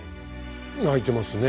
空いてますね。